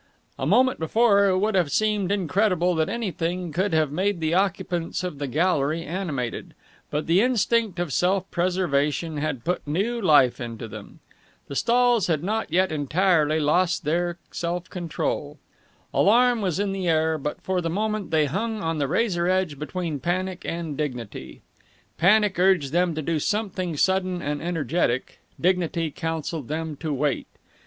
A moment before it would have seemed incredible that anything could have made the occupants of the gallery animated, but the instinct of self preservation had put new life into them. The stalls had not yet entirely lost their self control. Alarm was in the air, but for the moment they hung on the razor edge between panic and dignity. Panic urged them to do something sudden and energetic; dignity counselled them to wait.